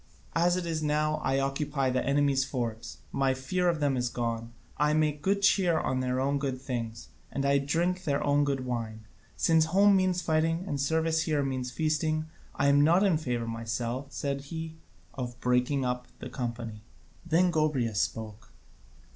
As it is now, I occupy the enemy's forts, my fear of them is gone, I make good cheer on their own good things, and I drink their own good wine. Since home means fighting and service here means feasting, I am not in favour myself," said he, "of breaking up the company." Then Gobryas spoke.